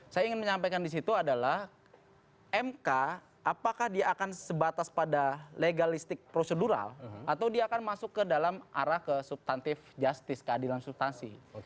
saya ingin menyampaikan di situ adalah mk apakah dia akan sebatas pada legalistik prosedural atau dia akan masuk ke dalam arah ke subtantif justice keadilan subtansi